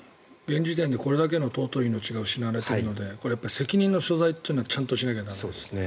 現時点で、これだけの尊い命が奪われているのでこれは責任の所在というのはちゃんとしなきゃ駄目。